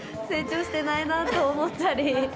成長してないなと思ったり。